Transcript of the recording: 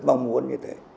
nó muốn như thế